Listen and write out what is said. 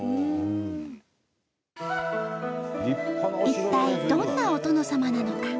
一体どんなお殿様なのか？